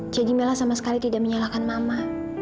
jadi mila sama sekali tidak menyalahkan mama